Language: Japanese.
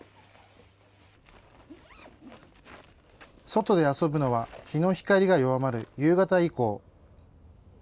外で遊ぶのは、日の光が弱まる夕方以降。